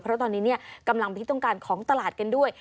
เพราะตอนนี้กำลังเป็นที่ต้องการของตลาดกันด้วย